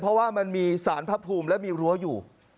เพราะว่ามันมีสารพระภูมิและมีรั้วอยู่